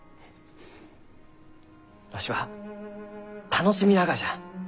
わしは楽しみながじゃ。